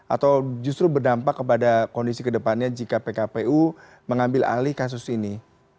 atau justru berdampak kepada kondisi kedepannya jika pkpu mengambil alih kasus ini